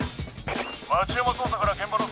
町山捜査から現場の捜査員。